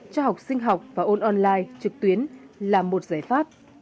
cho học sinh học và ôn online trực tuyến là một giải pháp